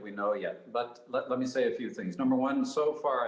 itu adalah pertanyaan yang sangat